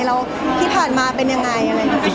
แล้วที่ผ่านมาเป็นยังไงอะไรอย่างนี้